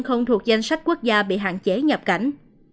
không thuộc danh sách quốc gia bị hạn chế nhập cảnh